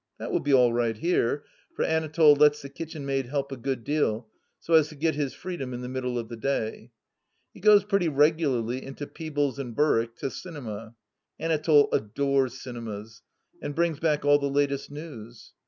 That will be all right here, for Anatole lets the kitchenmaid help a good deal, so as to get his freedom in the middle of the day, He goes pretty regularly into Peebles and Berwick to Cinema — ^Anatole adores cinemas — ^and brings back all the latest news.